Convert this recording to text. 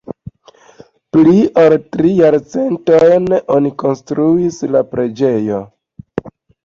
Pli ol tri jarcentojn oni konstruis pri la preĝejo.